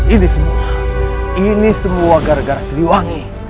ini semua ini semua gara gara siliwangi